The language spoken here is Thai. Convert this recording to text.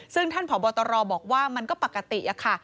ซึ่งท่านผอบตรบอกว่ามันก็ปกติค่ะ